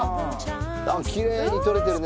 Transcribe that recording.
きれいに撮れてるね